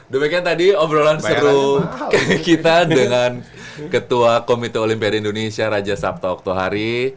demikian tadi obrolan seru kita dengan ketua komite olimpiade indonesia raja sabta oktohari